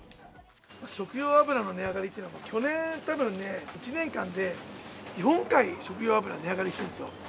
食用油の値上がりというのは、去年たぶん１年間で４回、食用油、値上がりしてるんですよ。